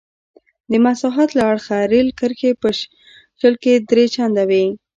د مساحت له اړخه رېل کرښې په شل کې درې چنده وې.